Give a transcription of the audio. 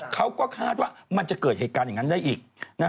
เขาก็คาดว่ามันจะเกิดเหตุการณ์อย่างนั้นได้อีก